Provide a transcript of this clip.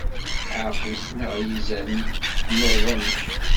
Ɛeqlen-aɣ yizan, nuḍen.